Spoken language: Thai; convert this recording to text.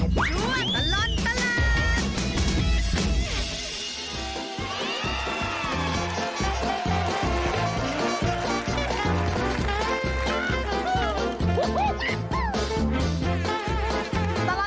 ส่วนตลอดตลาด